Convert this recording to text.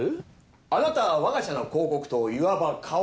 あなたは我が社の広告塔いわば顔です